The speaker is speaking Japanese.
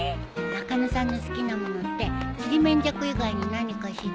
中野さんの好きなものってちりめんじゃこ以外に何か知ってる？